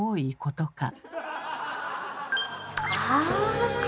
ああ！